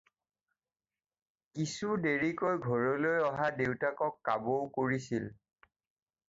কিছু দেৰিকৈ ঘৰলৈ অহা দেউতাকক কাবৌ কৰিছিল।